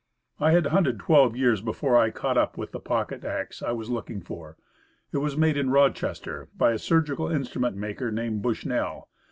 I had hunted twelve years before I caught up with the pocket axe I was looking for. It was made in Roch Hatchet and Knives. It ester, by a surgical instrument maker named Bushnell.